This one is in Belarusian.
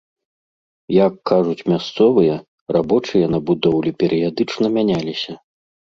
Як кажуць мясцовыя, рабочыя на будоўлі перыядычна мяняліся.